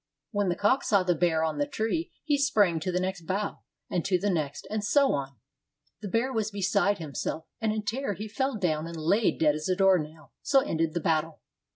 When the cock saw the bear on the tree, he sprang to the next bough, and to the next, and so on. The bear was beside himself, and in terror he fell down and lay dead as a doornail. So ended the battle.